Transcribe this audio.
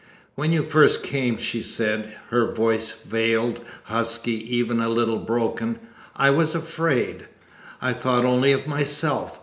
"When you first came," she said, her voice veiled, husky, even a little broken, "I was afraid. I thought only of myself.